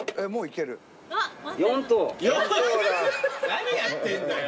何やってんだよ。